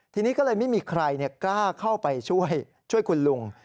ทีนี้ก็เลยไม่มีใครกล้าเข้าไปช่วยช่วยคุณลุง